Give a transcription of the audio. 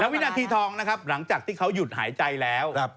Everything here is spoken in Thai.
วินาทีทองนะครับหลังจากที่เขาหยุดหายใจแล้ว